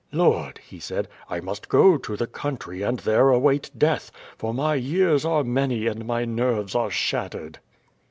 "Lord," he said, "I must go to the country and there await death, for my years are many and my nerves are shattered."